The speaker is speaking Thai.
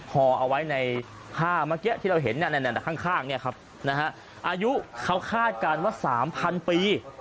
ห่อเอาไว้ในผ้าเมื่อกี้ที่เราเห็นข้างอายุเขาคาดการณ์ว่า๓๐๐ปี